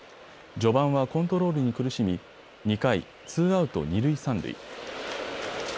序盤はコントロールに苦しみ、２回、ツーアウト二塁三塁。